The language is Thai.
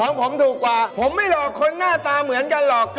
ของผมถูกกว่าผมไม่หลอกคนหน้าตาเหมือนกันหรอก